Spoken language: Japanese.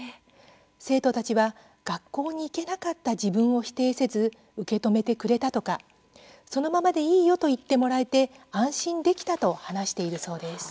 生徒たちは学校に行けなかった自分を否定せず、受け止めてくれたとかそのままでいいよと言ってもらえて安心できたと話しているそうです。